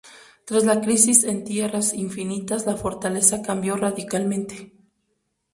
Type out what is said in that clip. Tras las Crisis en Tierras Infinitas la Fortaleza cambió radicalmente.